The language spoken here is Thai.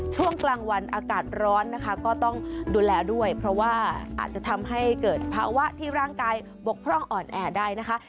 ช่วงกลางวันอากาศร้อนนะคะก็ต้องดูแลด้วยเพราะว่าอาจจะทำให้เกิดภาวะที่ร่างกายบกพร่องอ่อนแอได้นะคะ